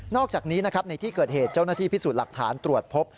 อกจากนี้นะครับในที่เกิดเหตุเจ้าหน้าที่พิสูจน์หลักฐานตรวจพบ